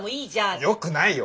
よくないよ。